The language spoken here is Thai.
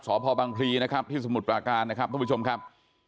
สพบังพลีนะครับที่สมุทรปราการนะครับทุกผู้ชมครับ